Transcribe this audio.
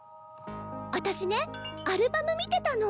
あたしねアルバム見てたの。